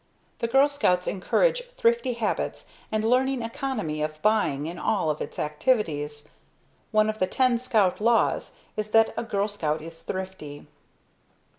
The Girl Scouts encourage thrifty habits and learning economy of buying in all of its activities. One of the ten Scout Laws is that "A Girl Scout is Thrifty."